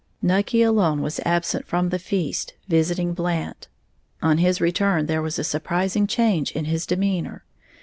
Nucky alone was absent from the feast, visiting Blant. On his return, there was a surprising change in his demeanor.